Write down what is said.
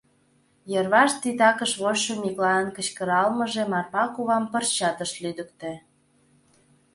Йырваш титакыш вочшо Миклайын кычкыралмыже Марпа кувам пырчат ыш лӱдыктӧ.